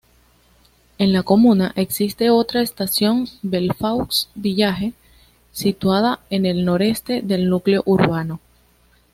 En la comuna existe otra estación, Belfaux-Village, situada en el noreste del núcleo urbano.